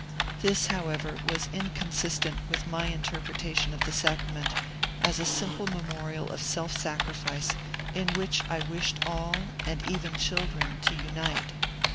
This, however, was inconsistent with my interpretation of the sacra ment as a simple memorial of self sacrifice in which I wished all, and even children, to imite.